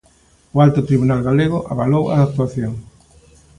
O alto tribunal galego avalou a actuación.